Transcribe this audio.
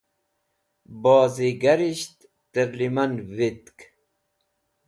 Bozigarisht tẽrlẽman vitk.